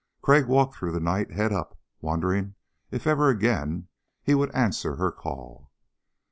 Crag walked through the night, head up, wondering if ever again he would answer her call.